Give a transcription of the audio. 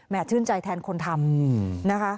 ชื่นใจแทนคนทำนะคะ